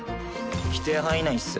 規定範囲内っす。